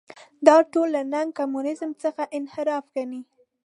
دا ټول له نګه کمونیزم څخه انحراف ګڼي.